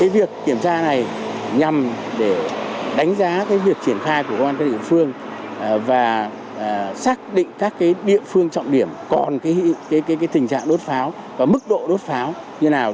việc kiểm tra này nhằm đánh giá việc triển khai của các địa phương và xác định các địa phương trọng điểm còn tình trạng đốt pháo và mức độ đốt pháo như thế nào